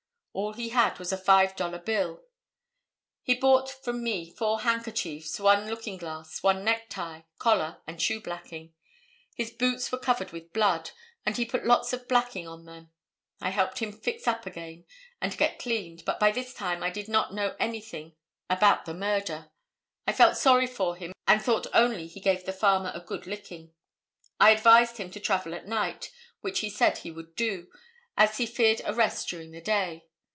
All he had was a five dollar bill. He bought from me four handkerchiefs, one looking glass, one necktie, collar and shoe blacking. His boots were covered with blood, and he put lots of blacking on them. I helped him to fix up again and get cleaned, but by this time I did not know anything about the murder. I felt sorry for him and thought only he gave the farmer a good licking. I advised him to travel at night, which he said he would do, as he feared arrest during the day.